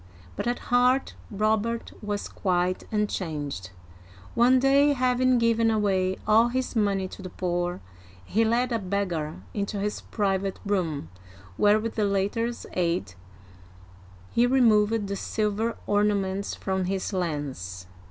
But at heart Robert was quite unchanged. One day, having given away all his money to the poor, he led a beggar into his private room, where, with the latter's aid, he removed the silver ornaments from his lance.